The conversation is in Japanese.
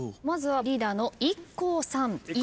まずはリーダーのＩＫＫＯさん